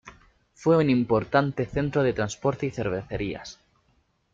Fue un importante centro de transporte y cervecerías.